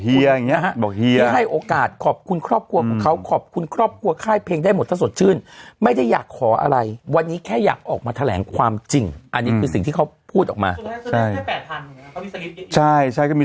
บอกเฮียเพื่อให้โอกาสขอบคุณครอบครัวของเขาขอบคุณครอบครัวค่ายเพลงได้หมดถ้าสดชื่นไม่ได้อยากขออะไรวันนี้แค่อยากออกมาแถลงความจริงอันนี้คือสิ่งที่เขาพูดออกมา